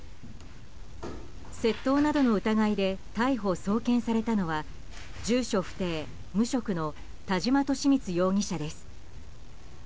窃盗などの疑いで逮捕・送検されたのは住所不定・無職の田島利光容疑者です。